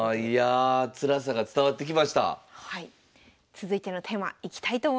続いてのテーマいきたいと思います。